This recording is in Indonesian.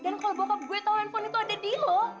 dan kalau bokap gue tau handphone itu ada di lo